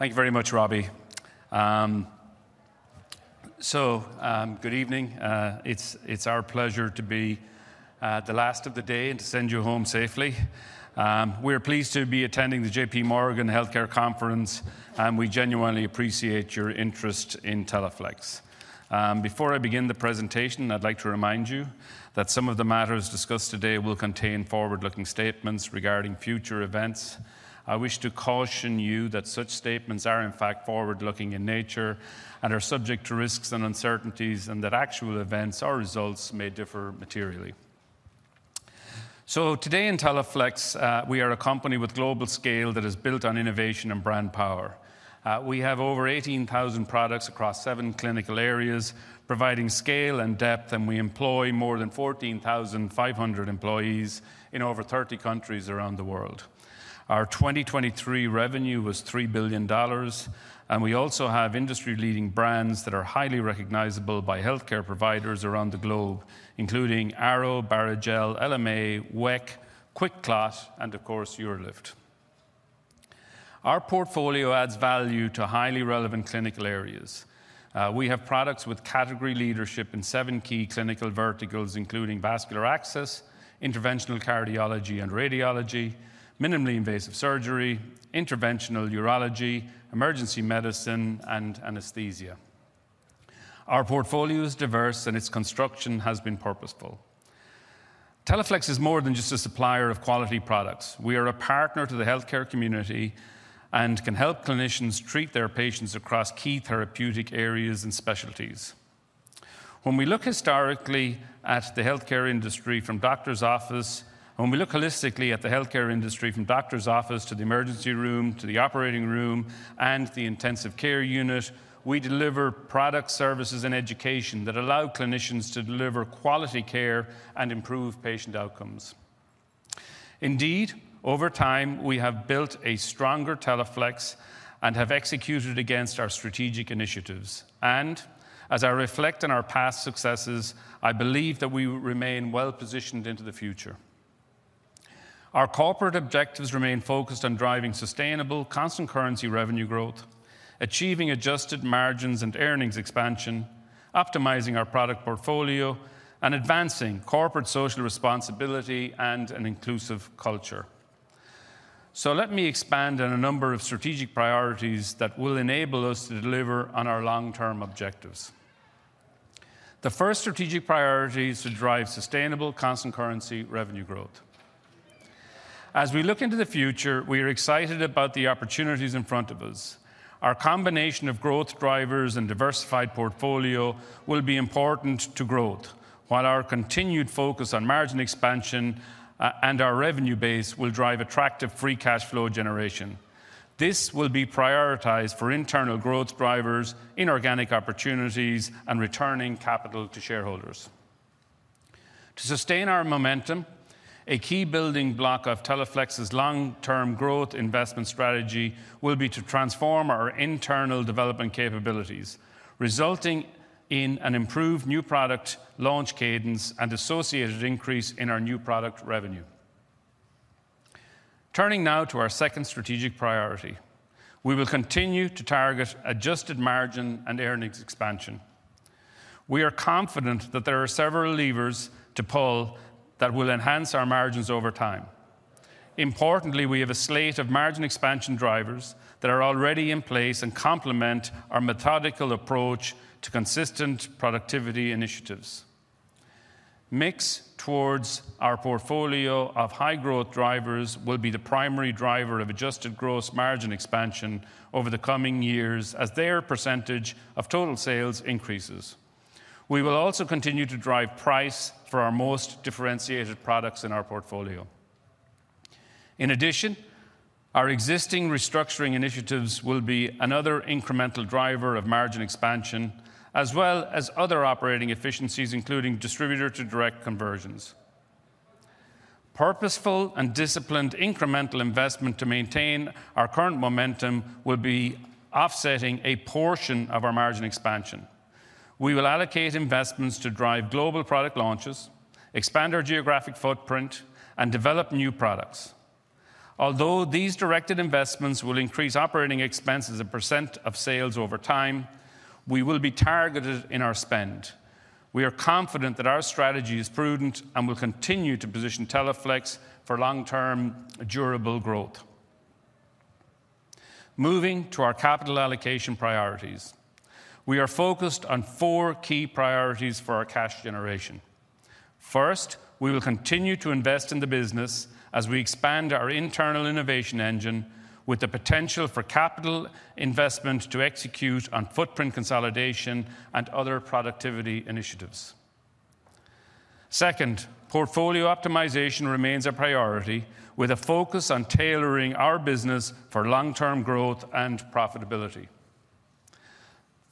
Thank you very much, Robbie. So, good evening. It's our pleasure to be at the last of the day and to send you home safely. We are pleased to be attending the J.P. Morgan Healthcare Conference, and we genuinely appreciate your interest in Teleflex. Before I begin the presentation, I'd like to remind you that some of the matters discussed today will contain forward-looking statements regarding future events. I wish to caution you that such statements are, in fact, forward-looking in nature and are subject to risks and uncertainties, and that actual events or results may differ materially. So, today in Teleflex, we are a company with global scale that is built on innovation and brand power. We have over 18,000 products across seven clinical areas, providing scale and depth, and we employ more than 14,500 employees in over 30 countries around the world. Our 2023 revenue was $3 billion, and we also have industry-leading brands that are highly recognizable by healthcare providers around the globe, including Arrow, Barrigel, LMA, Weck, QuikClot, and of course, UroLift. Our portfolio adds value to highly relevant clinical areas. We have products with category leadership in seven key clinical verticals, including vascular access, interventional cardiology and radiology, minimally invasive surgery, interventional urology, emergency medicine, and anesthesia. Our portfolio is diverse, and its construction has been purposeful. Teleflex is more than just a supplier of quality products. We are a partner to the healthcare community and can help clinicians treat their patients across key therapeutic areas and specialties. When we look historically at the healthcare industry from doctor's office, when we look holistically at the healthcare industry from doctor's office to the emergency room, to the operating room, and the intensive care unit, we deliver products, services, and education that allow clinicians to deliver quality care and improves patient outcomes. Indeed, over time, we have built a stronger Teleflex and have executed against our strategic initiatives, and as I reflect on our past successes, I believe that we remain well-positioned into the future. Our corporate objectives remain focused on driving sustainable, constant currency revenue growth, achieving adjusted margins and earnings expansion, optimizing our product portfolio, and advancing corporate social responsibility and an inclusive culture, so let me expand on a number of strategic priorities that will enable us to deliver on our long-term objectives. The first strategic priority is to drive sustainable, constant currency revenue growth. As we look into the future, we are excited about the opportunities in front of us. Our combination of growth drivers and diversified portfolio will be important to growth, while our continued focus on margin expansion and our revenue base will drive attractive free cash flow generation. This will be prioritized for internal growth drivers, inorganic opportunities, and returning capital to shareholders. To sustain our momentum, a key building block of Teleflex's long-term growth investment strategy will be to transform our internal development capabilities, resulting in an improved new product launch cadence and associated increase in our new product revenue. Turning now to our second strategic priority, we will continue to target adjusted margin and earnings expansion. We are confident that there are several levers to pull that will enhance our margins over time. Importantly, we have a slate of margin expansion drivers that are already in place and complement our methodical approach to consistent productivity initiatives. Mix towards our portfolio of high-growth drivers will be the primary driver of adjusted gross margin expansion over the coming years as their percentage of total sales increases. We will also continue to drive price for our most differentiated products in our portfolio. In addition, our existing restructuring initiatives will be another incremental driver of margin expansion, as well as other operating efficiencies, including distributor-to-direct conversions. Purposeful and disciplined incremental investment to maintain our current momentum will be offsetting a portion of our margin expansion. We will allocate investments to drive global product launches, expand our geographic footprint, and develop new products. Although these directed investments will increase operating expenses a percent of sales over time, we will be targeted in our spend. We are confident that our strategy is prudent and will continue to position Teleflex for long-term durable growth. Moving to our capital allocation priorities, we are focused on four key priorities for our cash generation. First, we will continue to invest in the business as we expand our internal innovation engine, with the potential for capital investment to execute on footprint consolidation and other productivity initiatives. Second, portfolio optimization remains a priority, with a focus on tailoring our business for long-term growth and profitability.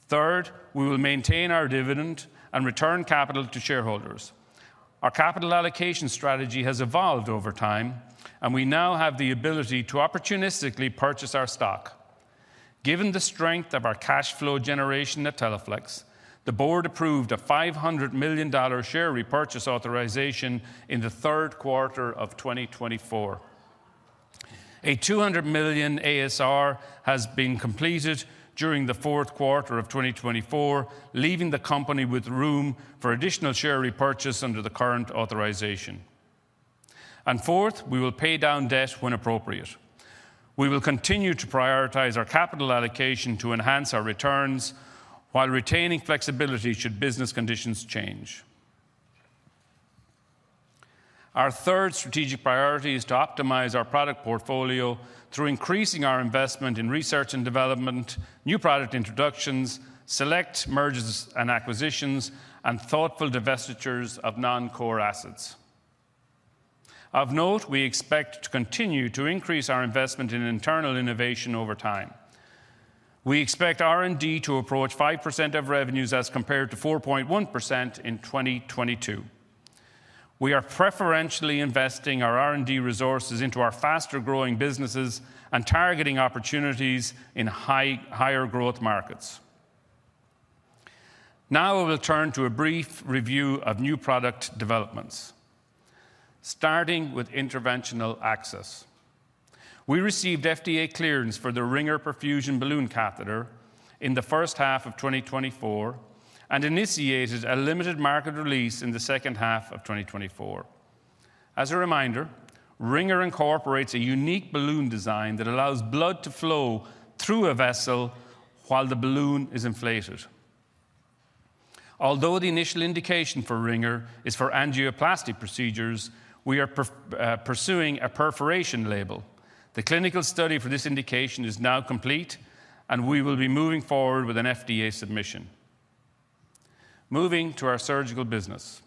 Third, we will maintain our dividend and return capital to shareholders. Our capital allocation strategy has evolved over time, and we now have the ability to opportunistically purchase our stock. Given the strength of our cash flow generation at Teleflex, the board approved a $500 million share repurchase authorization in the third quarter of 2024. A $200 million ASR has been completed during the fourth quarter of 2024, leaving the company with room for additional share repurchase under the current authorization. And fourth, we will pay down debt when appropriate. We will continue to prioritize our capital allocation to enhance our returns while retaining flexibility should business conditions change. Our third strategic priority is to optimize our product portfolio through increasing our investment in research and development, new product introductions, select mergers and acquisitions, and thoughtful divestitures of non-core assets. Of note, we expect to continue to increase our investment in internal innovation over time. We expect R&D to approach 5% of revenues as compared to 4.1% in 2022. We are preferentially investing our R&D resources into our faster-growing businesses and targeting opportunities in higher growth markets. Now, I will turn to a brief review of new product developments, starting with interventional access. We received FDA clearance for the Ringer Perfusion Balloon catheter in the first half of 2024 and initiated a limited market release in the second half of 2024. As a reminder, Ringer incorporates a unique balloon design that allows blood to flow through a vessel while the balloon is inflated. Although the initial indication for Ringer is for angioplasty procedures, we are pursuing a perforation label. The clinical study for this indication is now complete, and we will be moving forward with an FDA submission. Moving to our surgical business,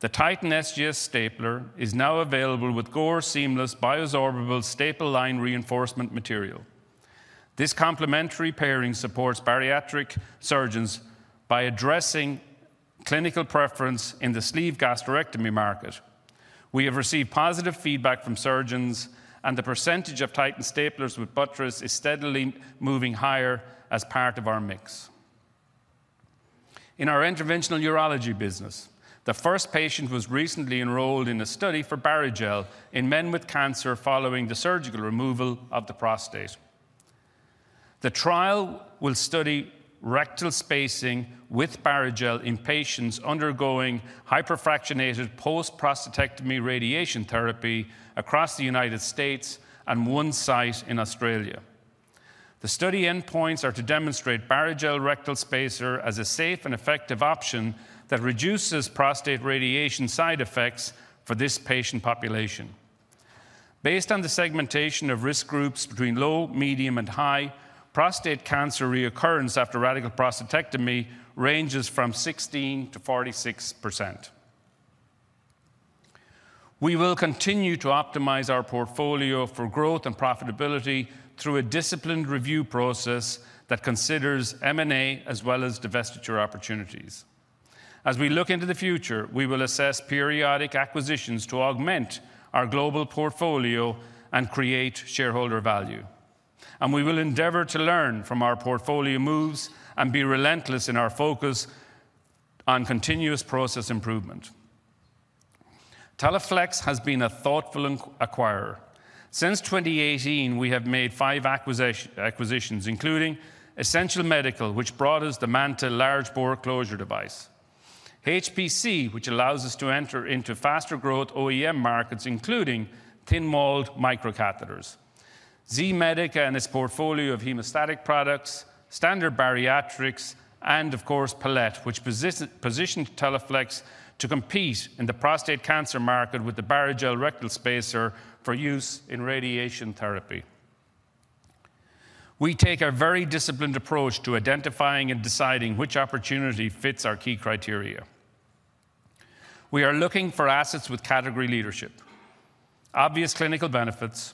the Titan SGS stapler is now available with Gore Seamguard Bioabsorbable Staple Line Reinforcement Material. This complementary pairing supports bariatric surgeons by addressing clinical preference in the sleeve gastrectomy market. We have received positive feedback from surgeons, and the percentage of Titan staplers with buttress is steadily moving higher as part of our mix. In our interventional urology business, the first patient was recently enrolled in a study for Barrigel in men with cancer following the surgical removal of the prostate. The trial will study rectal spacing with Barrigel in patients undergoing hyperfractionated post-prostatectomy radiation therapy across the United States and one site in Australia. The study endpoints are to demonstrate Barrigel rectal spacer as a safe and effective option that reduces prostate radiation side effects for this patient population. Based on the segmentation of risk groups between low, medium, and high, prostate cancer recurrence after radical prostatectomy ranges from 16%-46%. We will continue to optimize our portfolio for growth and profitability through a disciplined review process that considers M&A as well as divestiture opportunities. As we look into the future, we will assess periodic acquisitions to augment our global portfolio and create shareholder value. We will endeavor to learn from our portfolio moves and be relentless in our focus on continuous process improvement. Teleflex has been a thoughtful acquirer. Since 2018, we have made five acquisitions, including Essential Medical, which brought us the MANTA large bore closure device. HPC, which allows us to enter into faster-growth OEM markets, including thin-walled microcatheters. Z-Medica and its portfolio of hemostatic products. Standard Bariatrics. And, of course, Palette, which positioned Teleflex to compete in the prostate cancer market with the Barrigel rectal spacer for use in radiation therapy. We take a very disciplined approach to identifying and deciding which opportunity fits our key criteria. We are looking for assets with category leadership, obvious clinical benefits,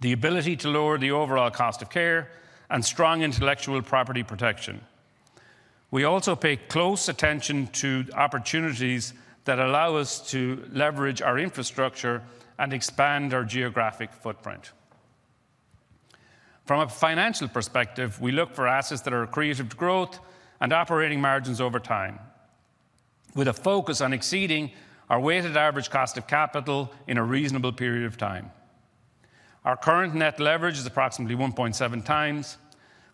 the ability to lower the overall cost of care, and strong intellectual property protection. We also pay close attention to opportunities that allow us to leverage our infrastructure and expand our geographic footprint. From a financial perspective, we look for assets that are accretive to growth and operating margins over time, with a focus on exceeding our weighted average cost of capital in a reasonable period of time. Our current net leverage is approximately 1.7 times.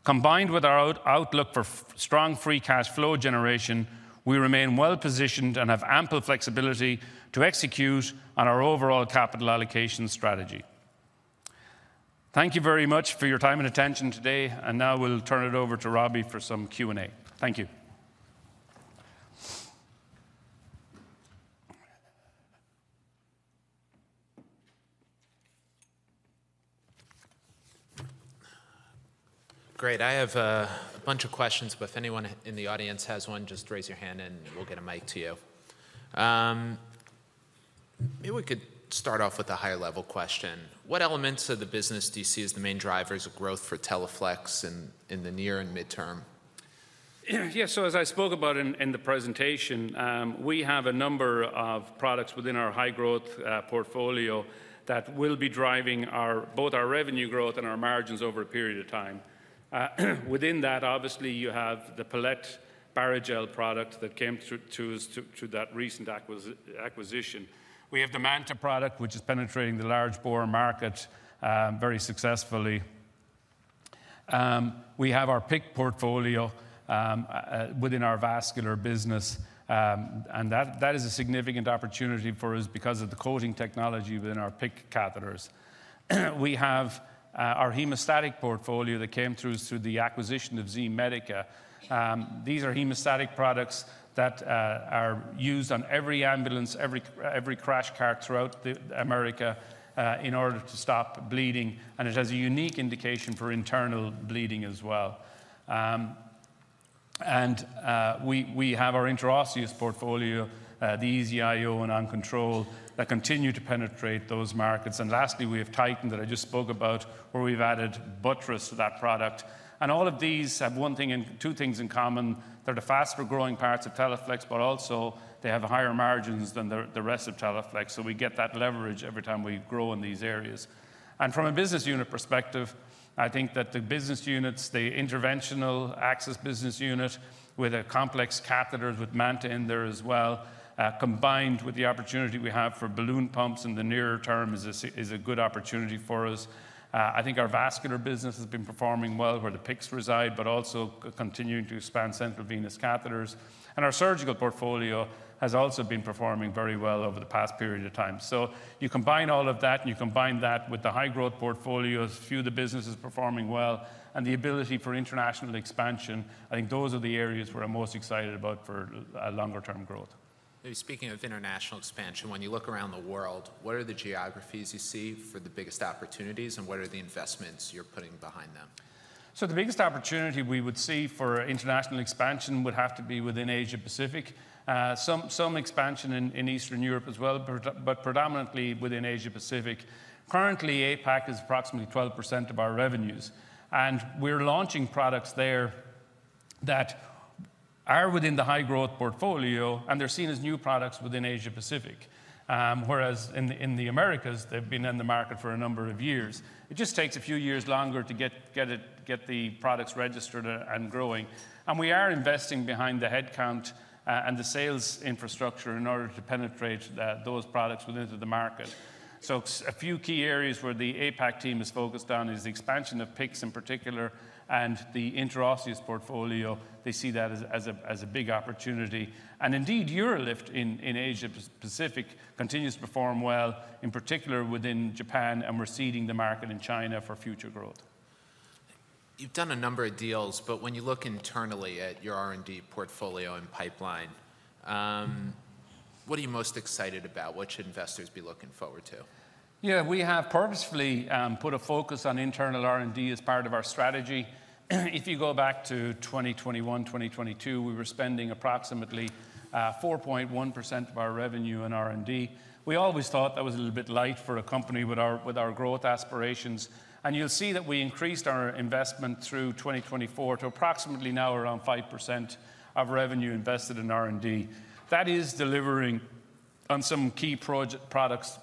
Combined with our outlook for strong free cash flow generation, we remain well-positioned and have ample flexibility to execute on our overall capital allocation strategy. Thank you very much for your time and attention today. And now we'll turn it over to Robbie for some Q&A. Thank you. Great. I have a bunch of questions, but if anyone in the audience has one, just raise your hand and we'll get a mic to you. Maybe we could start off with a higher-level question. What elements of the business do you see as the main drivers of growth for Teleflex in the near and midterm? Yeah, so as I spoke about in the presentation, we have a number of products within our high-growth portfolio that will be driving both our revenue growth and our margins over a period of time. Within that, obviously, you have the Palette Barrigel product that came through that recent acquisition. We have the MANTA product, which is penetrating the large bore market very successfully. We have our PICC portfolio within our vascular business, and that is a significant opportunity for us because of the coating technology within our PICC catheters. We have our hemostatic portfolio that came through the acquisition of Z-Medica. These are hemostatic products that are used on every ambulance, every crash cart throughout America in order to stop bleeding, and it has a unique indication for internal bleeding as well. And we have our intraosseous portfolio, the EZ-IO and OnControl, that continue to penetrate those markets. And lastly, we have Titan that I just spoke about, where we've added buttress to that product. And all of these have one thing and two things in common. They're the faster-growing parts of Teleflex, but also they have higher margins than the rest of Teleflex, so we get that leverage every time we grow in these areas. And from a business unit perspective, I think that the business units, the interventional access business unit with complex catheters with MANTA in there as well, combined with the opportunity we have for balloon pumps in the nearer term, is a good opportunity for us. I think our vascular business has been performing well, where the PICCs reside, but also continuing to expand central venous catheters. And our surgical portfolio has also been performing very well over the past period of time. So you combine all of that, and you combine that with the high-growth portfolio, a few of the businesses performing well, and the ability for international expansion. I think those are the areas we're most excited about for longer-term growth. Speaking of international expansion, when you look around the world, what are the geographies you see for the biggest opportunities, and what are the investments you're putting behind them? The biggest opportunity we would see for international expansion would have to be within Asia-Pacific, some expansion in Eastern Europe as well, but predominantly within Asia-Pacific. Currently, APAC is approximately 12% of our revenues, and we're launching products there that are within the high-growth portfolio, and they're seen as new products within Asia-Pacific, whereas in the Americas, they've been in the market for a number of years. It just takes a few years longer to get the products registered and growing. And we are investing behind the headcount and the sales infrastructure in order to penetrate those products within the market. A few key areas where the APAC team is focused on is the expansion of PICCs in particular and the intraosseous portfolio. They see that as a big opportunity. Indeed, UroLift in Asia-Pacific continues to perform well, in particular within Japan, and we're seeding the market in China for future growth. You've done a number of deals, but when you look internally at your R&D portfolio and pipeline, what are you most excited about? What should investors be looking forward to? Yeah, we have purposefully put a focus on internal R&D as part of our strategy. If you go back to 2021, 2022, we were spending approximately 4.1% of our revenue in R&D. We always thought that was a little bit light for a company with our growth aspirations. And you'll see that we increased our investment through 2024 to approximately now around 5% of revenue invested in R&D. That is delivering on some key products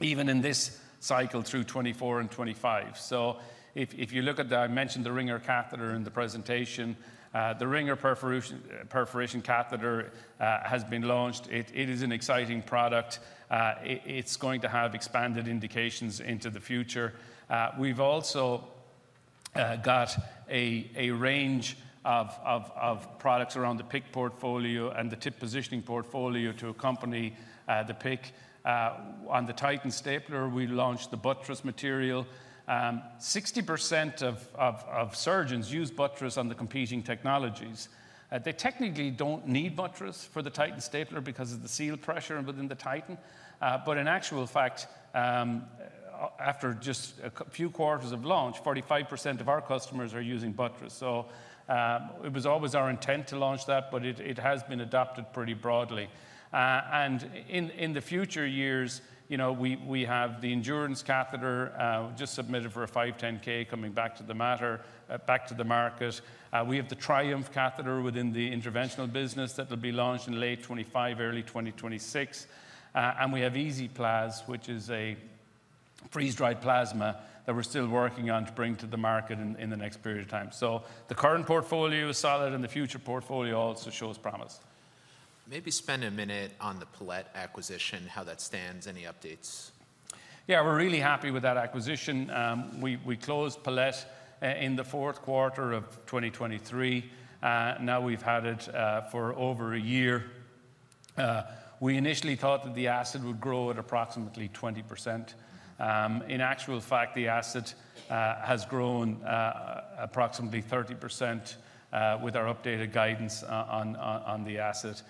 even in this cycle through 2024 and 2025. So if you look at the, I mentioned the Ringer catheter in the presentation, the Ringer perfusion catheter has been launched. It is an exciting product. It's going to have expanded indications into the future. We've also got a range of products around the PICC portfolio and the tip positioning portfolio to accompany the PIC. On the Titan stapler, we launched the buttress material. 60% of surgeons use buttress on the competing technologies. They technically don't need buttress for the Titan stapler because of the seal pressure within the Titan. But in actual fact, after just a few quarters of launch, 45% of our customers are using buttress. So it was always our intent to launch that, but it has been adopted pretty broadly. And in the future years, we have the Endurance catheter just submitted for a 510(k) coming back to the market. We have the Triumph catheter within the interventional business that will be launched in late 2025, early 2026. And we have EZ-Plaz, which is a freeze-dried plasma that we're still working on to bring to the market in the next period of time. So the current portfolio is solid, and the future portfolio also shows promise. Maybe spend a minute on the Palette acquisition, how that stands, any updates? Yeah, we're really happy with that acquisition. We closed Palette in the fourth quarter of 2023. Now we've had it for over a year. We initially thought that the asset would grow at approximately 20%. In actual fact, the asset has grown approximately 30% with our updated guidance on the asset.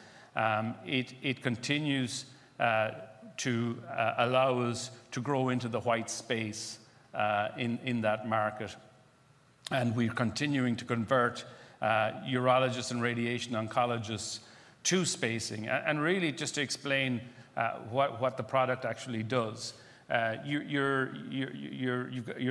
It continues to allow us to grow into the white space in that market, and we're continuing to convert urologists and radiation oncologists to spacing, and really, just to explain what the product actually does, you're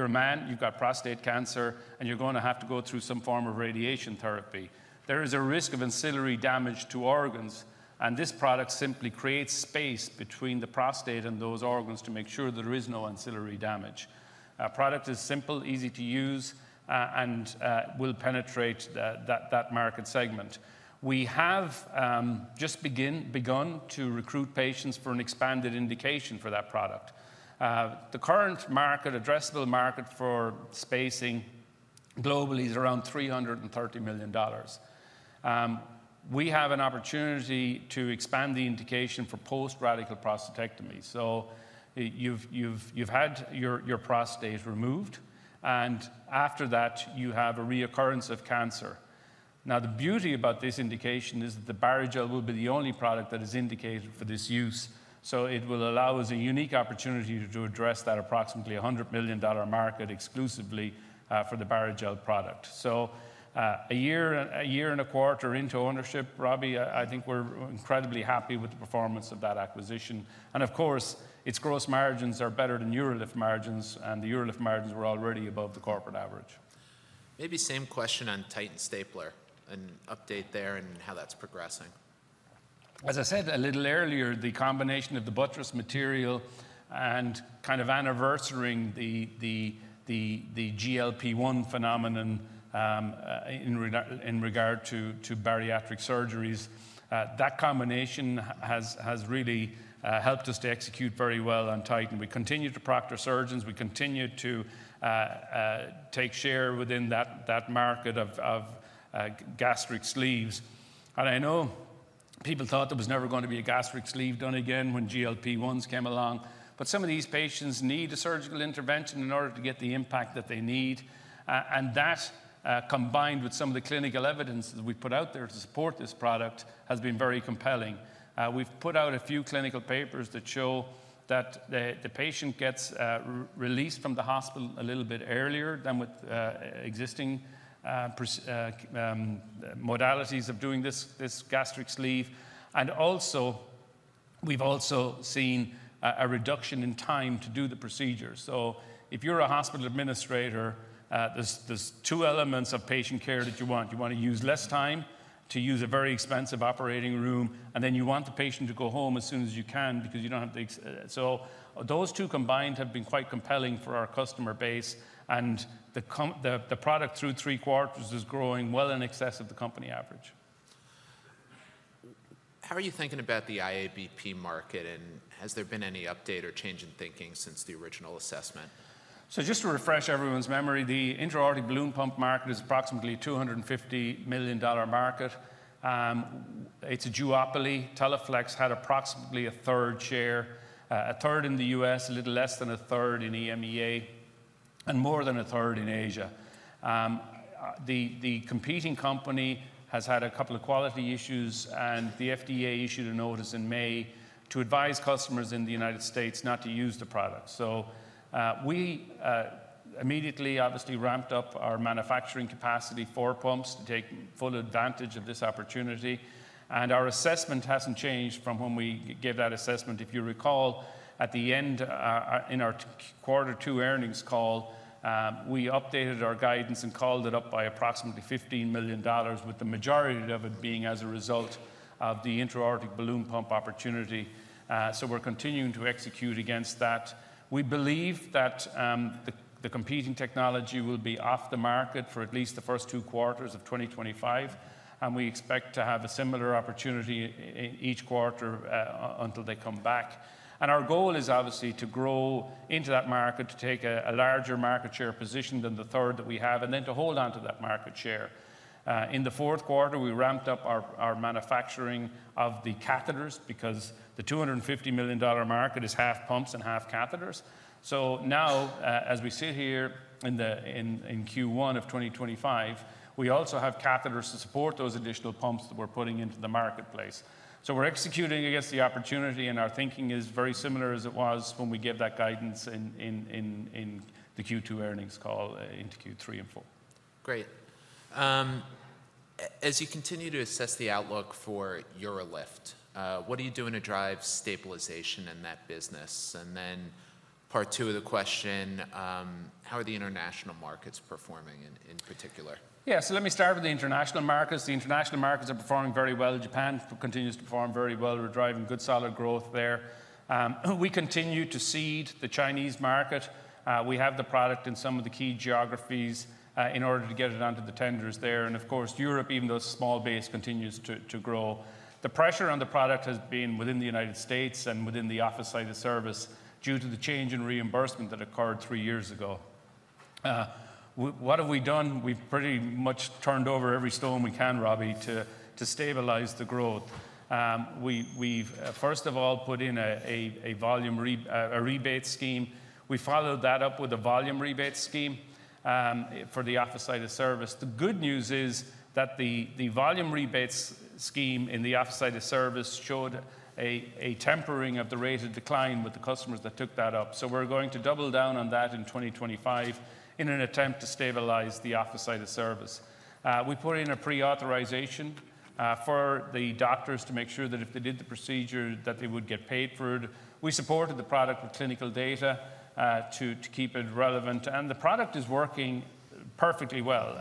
a man, you've got prostate cancer, and you're going to have to go through some form of radiation therapy. There is a risk of ancillary damage to organs, and this product simply creates space between the prostate and those organs to make sure there is no ancillary damage. Our product is simple, easy to use, and will penetrate that market segment. We have just begun to recruit patients for an expanded indication for that product. The current market, addressable market for spacing globally, is around $330 million. We have an opportunity to expand the indication for post-radical prostatectomy. So you've had your prostate removed, and after that, you have a recurrence of cancer. Now, the beauty about this indication is that the Barrigel will be the only product that is indicated for this use. So it will allow us a unique opportunity to address that approximately $100 million market exclusively for the Barrigel product. So a year and a quarter into ownership, Robbie, I think we're incredibly happy with the performance of that acquisition. And of course, its gross margins are better than UroLift margins, and the UroLift margins were already above the corporate average. Maybe same question on Titan stapler, an update there and how that's progressing. As I said a little earlier, the combination of the buttress material and kind of countering the GLP-1 phenomenon in regard to bariatric surgeries, that combination has really helped us to execute very well on Titan. We continue to proctor surgeons. We continue to take share within that market of gastric sleeves. And I know people thought there was never going to be a gastric sleeve done again when GLP-1s came along, but some of these patients need a surgical intervention in order to get the impact that they need. And that, combined with some of the clinical evidence that we put out there to support this product, has been very compelling. We've put out a few clinical papers that show that the patient gets released from the hospital a little bit earlier than with existing modalities of doing this gastric sleeve. And we've also seen a reduction in time to do the procedure, so if you're a hospital administrator, there's two elements of patient care that you want. You want to use less time to use a very expensive operating room, and then you want the patient to go home as soon as you can because you don't have to, so those two combined have been quite compelling for our customer base, and the product through three quarters is growing well in excess of the company average. How are you thinking about the IABP market, and has there been any update or change in thinking since the original assessment? So just to refresh everyone's memory, the intra-aortic balloon pump market is approximately a $250 million market. It's a duopoly. Teleflex had approximately a third share, a third in the U.S., a little less than a third in EMEA, and more than a third in Asia. The competing company has had a couple of quality issues, and the FDA issued a notice in May to advise customers in the United States not to use the product. So we immediately, obviously, ramped up our manufacturing capacity for pumps to take full advantage of this opportunity. And our assessment hasn't changed from when we gave that assessment. If you recall, at the end in our quarter two earnings call, we updated our guidance and called it up by approximately $15 million, with the majority of it being as a result of the intra-aortic balloon pump opportunity. So we're continuing to execute against that. We believe that the competing technology will be off the market for at least the first two quarters of 2025, and we expect to have a similar opportunity each quarter until they come back. And our goal is obviously to grow into that market, to take a larger market share position than the third that we have, and then to hold on to that market share. In the fourth quarter, we ramped up our manufacturing of the catheters because the $250 million market is half pumps and half catheters. So now, as we sit here in Q1 of 2025, we also have catheters to support those additional pumps that we're putting into the marketplace. So we're executing against the opportunity, and our thinking is very similar as it was when we gave that guidance in the Q2 earnings call into Q3 and Q4. Great. As you continue to assess the outlook for UroLift, what are you doing to drive stabilization in that business? And then part two of the question, how are the international markets performing in particular? Yeah, so let me start with the international markets. The international markets are performing very well. Japan continues to perform very well. We're driving good solid growth there. We continue to seed the Chinese market. We have the product in some of the key geographies in order to get it onto the tenders there. And of course, Europe, even though it's small base, continues to grow. The pressure on the product has been within the United States and within the office side of service due to the change in reimbursement that occurred three years ago. What have we done? We've pretty much turned over every stone we can, Robbie, to stabilize the growth. We've, first of all, put in a volume rebate scheme. We followed that up with a volume rebate scheme for the office side of service. The good news is that the volume rebates scheme in the office side of service showed a tempering of the rate of decline with the customers that took that up. So we're going to double down on that in 2025 in an attempt to stabilize the office side of service. We put in a pre-authorization for the doctors to make sure that if they did the procedure, that they would get paid for it. We supported the product with clinical data to keep it relevant. And the product is working perfectly well.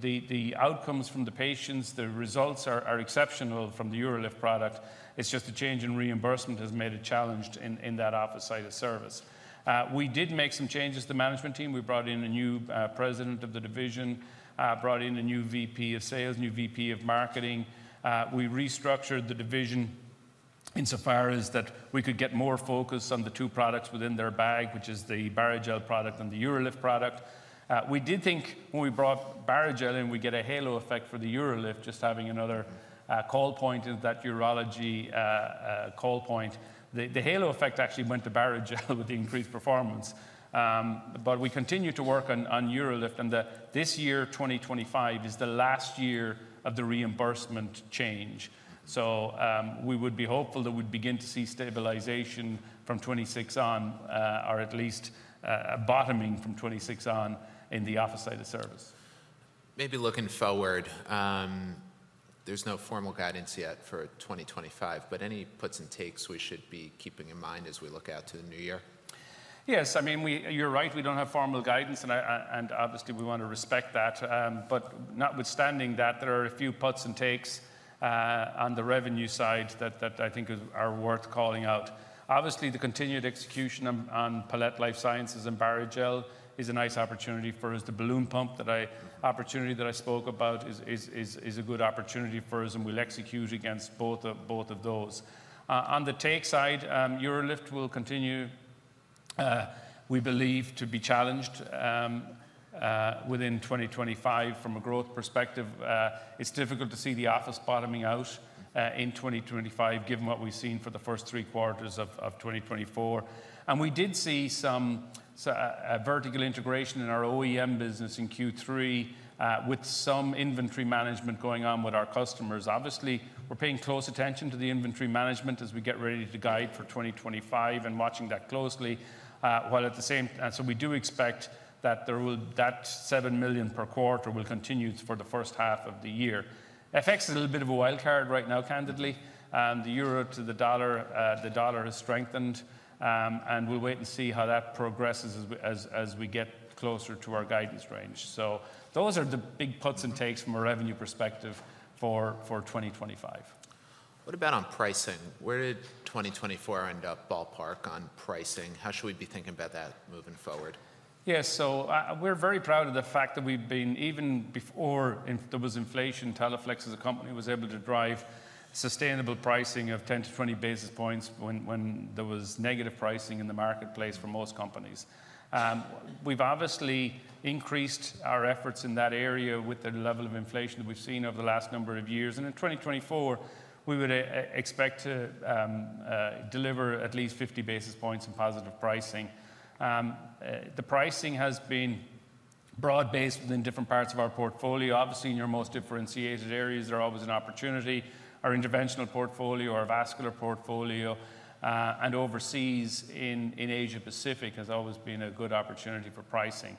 The outcomes from the patients, the results are exceptional from the UroLift product. It's just the change in reimbursement has made it challenged in that office side of service. We did make some changes to the management team. We brought in a new president of the division, brought in a new VP of sales, new VP of marketing. We restructured the division insofar as that we could get more focus on the two products within their bag, which is the Barrigel product and the UroLift product. We did think when we brought Barrigel in, we'd get a halo effect for the UroLift, just having another call point in that urology call point. The halo effect actually went to Barrigel with the increased performance. But we continue to work on UroLift, and this year, 2025, is the last year of the reimbursement change. So we would be hopeful that we'd begin to see stabilization from 2026 on, or at least bottoming from 2026 on in the office side of service. Maybe looking forward, there's no formal guidance yet for 2025, but any puts and takes we should be keeping in mind as we look out to the new year? Yes, I mean, you're right. We don't have formal guidance, and obviously, we want to respect that. But notwithstanding that, there are a few puts and takes on the revenue side that I think are worth calling out. Obviously, the continued execution on Palette Life Sciences and Barrigel is a nice opportunity for us. The balloon pump opportunity that I spoke about is a good opportunity for us, and we'll execute against both of those. On the take side, UroLift will continue, we believe, to be challenged within 2025 from a growth perspective. It's difficult to see the urology bottoming out in 2025, given what we've seen for the first three quarters of 2024. And we did see some vertical integration in our OEM business in Q3 with some inventory management going on with our customers. Obviously, we're paying close attention to the inventory management as we get ready to guide for 2025 and watching that closely. While at the same, so we do expect that that $7 million per quarter will continue for the first half of the year. FX is a little bit of a wildcard right now, candidly. The euro to the dollar, the dollar has strengthened, and we'll wait and see how that progresses as we get closer to our guidance range. So those are the big puts and takes from a revenue perspective for 2025. What about on pricing? Where did 2024 end up ballpark on pricing? How should we be thinking about that moving forward? Yes, so we're very proud of the fact that we've been, even before there was inflation, Teleflex as a company was able to drive sustainable pricing of 10-20 basis points when there was negative pricing in the marketplace for most companies. We've obviously increased our efforts in that area with the level of inflation that we've seen over the last number of years. And in 2024, we would expect to deliver at least 50 basis points in positive pricing. The pricing has been broad-based within different parts of our portfolio. Obviously, in your most differentiated areas, there are always an opportunity. Our interventional portfolio, our vascular portfolio, and overseas in Asia-Pacific has always been a good opportunity for pricing.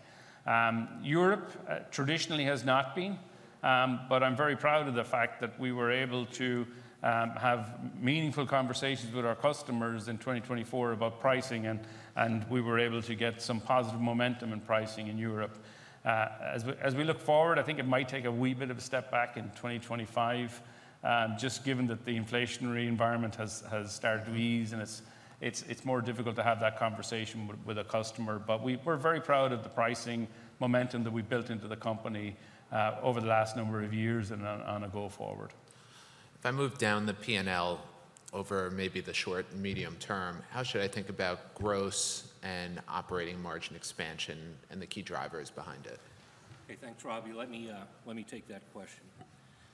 Europe traditionally has not been, but I'm very proud of the fact that we were able to have meaningful conversations with our customers in 2024 about pricing, and we were able to get some positive momentum in pricing in Europe. As we look forward, I think it might take a wee bit of a step back in 2025, just given that the inflationary environment has started to ease, and it's more difficult to have that conversation with a customer. But we're very proud of the pricing momentum that we've built into the company over the last number of years and going forward. If I move down the P&L over maybe the short and medium term, how should I think about gross and operating margin expansion and the key drivers behind it? Okay, thanks, Robbie. Let me take that question.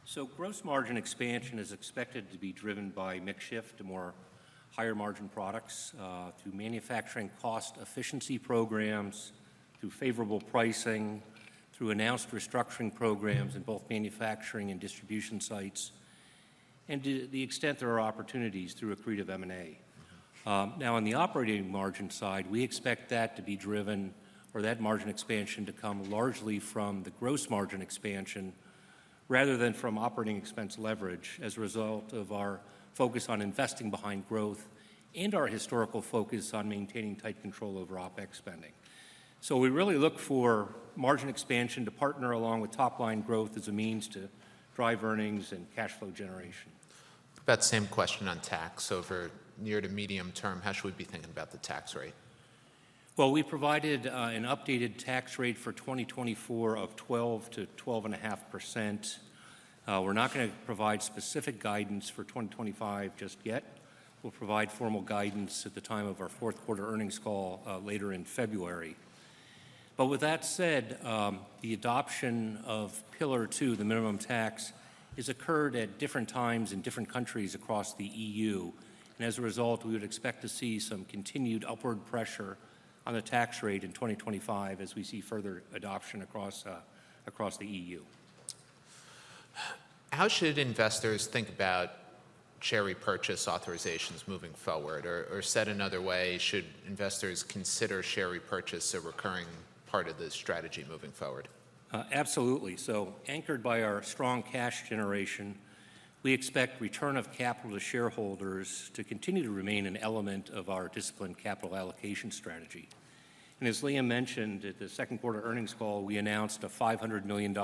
So gross margin expansion is expected to be driven by mix shift to more higher margin products through manufacturing cost efficiency programs, through favorable pricing, through announced restructuring programs in both manufacturing and distribution sites, and to the extent there are opportunities through accretive M&A. Now, on the operating margin side, we expect that to be driven, or that margin expansion to come largely from the gross margin expansion rather than from operating expense leverage as a result of our focus on investing behind growth and our historical focus on maintaining tight control over OPEX spending. So we really look for margin expansion to parallel along with top-line growth as a means to drive earnings and cash flow generation. That same question on tax over the near- to medium-term, how should we be thinking about the tax rate? We provided an updated tax rate for 2024 of 12%-12.5%. We're not going to provide specific guidance for 2025 just yet. We'll provide formal guidance at the time of our fourth quarter earnings call later in February. With that said, the adoption of Pillar Two, the minimum tax, has occurred at different times in different countries across the EU. As a result, we would expect to see some continued upward pressure on the tax rate in 2025 as we see further adoption across the EU. How should investors think about share repurchase authorizations moving forward? Or said another way, should investors consider share repurchase a recurring part of the strategy moving forward? Absolutely. So anchored by our strong cash generation, we expect return of capital to shareholders to continue to remain an element of our disciplined capital allocation strategy. And as Liam mentioned at the second quarter earnings call, we announced a $500 million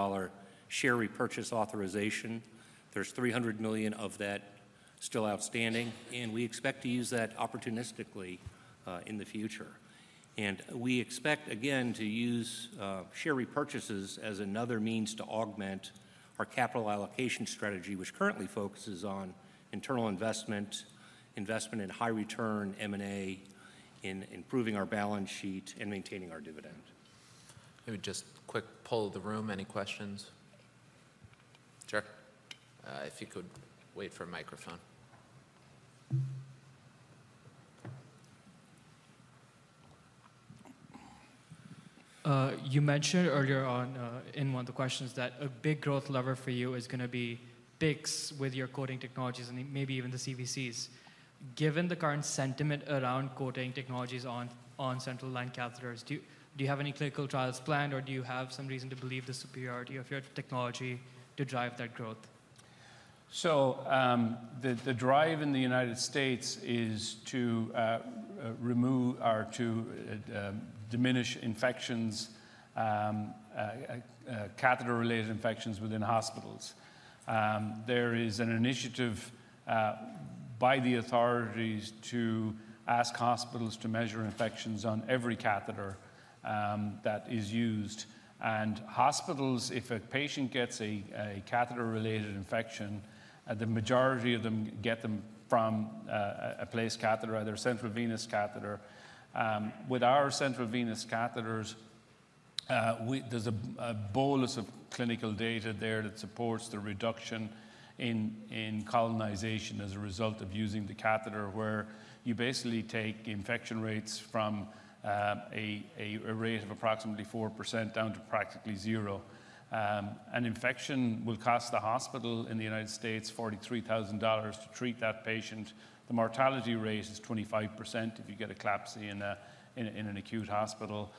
share repurchase authorization. There's $300 million of that still outstanding, and we expect to use that opportunistically in the future. And we expect, again, to use share repurchases as another means to augment our capital allocation strategy, which currently focuses on internal investment, investment in high return M&A, in improving our balance sheet, and maintaining our dividend. Maybe just quick poll of the room, any questions? Sure. If you could wait for a microphone. You mentioned earlier on in one of the questions that a big growth lever for you is going to be PICC s with your coating technologies and maybe even the CVCs. Given the current sentiment around coating technologies on central line catheters, do you have any clinical trials planned, or do you have some reason to believe the superiority of your technology to drive that growth? The drive in the United States is to diminish catheter-related infections within hospitals. There is an initiative by the authorities to ask hospitals to measure infections on every catheter that is used. Hospitals, if a patient gets a catheter-related infection, the majority of them get them from a PICC catheter, either a central venous catheter. With our central venous catheters, there's a bolus of clinical data there that supports the reduction in colonization as a result of using the catheter, where you basically take infection rates from a rate of approximately 4% down to practically zero. An infection will cost the hospital in the United States $43,000 to treat that patient. The mortality rate is 25% if you get a CLABSI in an acute hospital.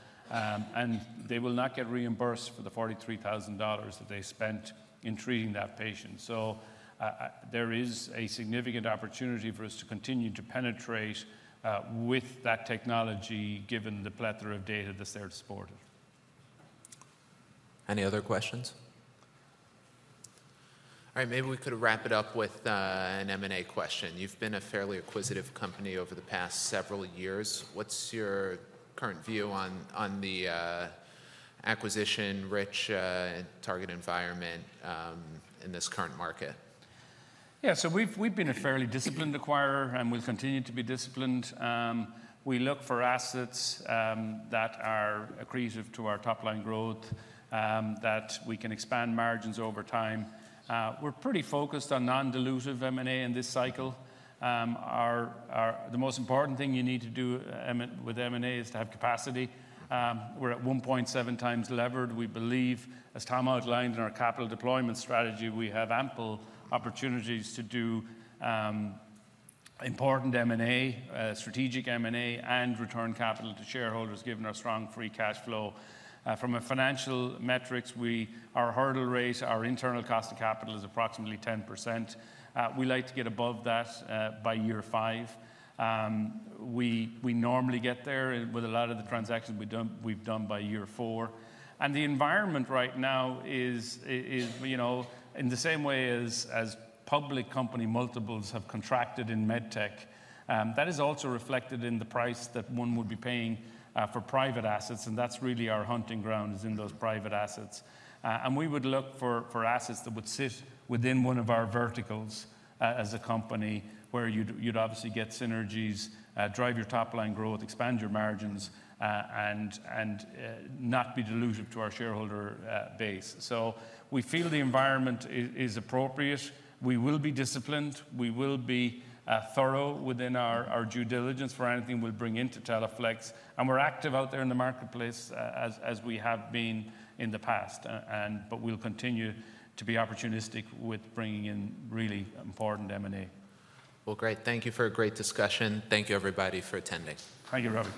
They will not get reimbursed for the $43,000 that they spent in treating that patient. So there is a significant opportunity for us to continue to penetrate with that technology, given the plethora of data that's there to support it. Any other questions? All right, maybe we could wrap it up with an M&A question. You've been a fairly acquisitive company over the past several years. What's your current view on the acquisition-rich target environment in this current market? Yeah, so we've been a fairly disciplined acquirer, and we'll continue to be disciplined. We look for assets that are accretive to our top-line growth, that we can expand margins over time. We're pretty focused on non-dilutive M&A in this cycle. The most important thing you need to do with M&A is to have capacity. We're at 1.7 times levered. We believe, as Tom outlined in our capital deployment strategy, we have ample opportunities to do important M&A, strategic M&A, and return capital to shareholders, given our strong free cash flow. From a financial metrics, our hurdle rate, our internal cost of capital is approximately 10%. We like to get above that by year five. We normally get there with a lot of the transactions we've done by year four. The environment right now is, in the same way as public company multiples have contracted in med tech, that is also reflected in the price that one would be paying for private assets. That's really our hunting ground is in those private assets. We would look for assets that would sit within one of our verticals as a company, where you'd obviously get synergies, drive your top-line growth, expand your margins, and not be dilutive to our shareholder base. We feel the environment is appropriate. We will be disciplined. We will be thorough within our due diligence for anything we'll bring into Teleflex. We're active out there in the marketplace as we have been in the past, but we'll continue to be opportunistic with bringing in really important M&A. Great. Thank you for a great discussion. Thank you, everybody, for attending. Thank you, Robbie.